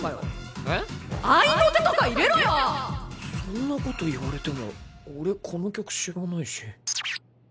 そんなこと言われても俺この曲知らないし。